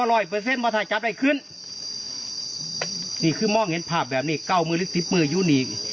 ร้อยเปอร์เซ็นต์ว่าถ้าจัดให้ขึ้นนี่คือมองเห็นภาพแบบนี้เก้ามือหรือสิบมืออยู่นี่